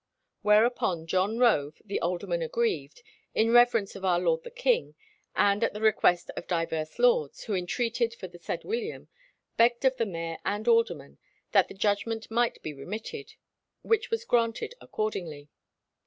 Whereupon John Rove—the alderman aggrieved—in reverence of our lord the king, and at the request of divers lords, who entreated for the said William, begged of the mayor and aldermen that the judgment might be remitted, which was granted accordingly.